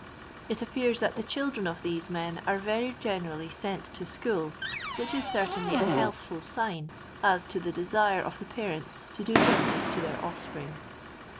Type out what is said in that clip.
It appean that the children of these men are very generally sent to school, which is certainly a healthful sign as to the desire of the parents to do justice to their offspring.